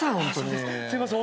すいません。